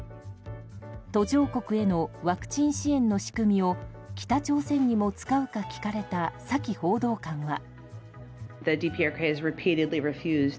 途上国へのワクチン支援の仕組みを北朝鮮にも使うか聞かれたサキ報道官は。